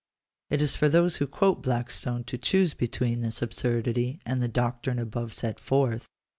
It is for those who quote Blackstone to choose between this absurdity and the doctrine above set forth.